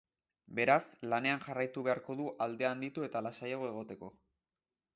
Beraz, lanean jarraitu beharko du aldea handitu eta lasaiago egoteko.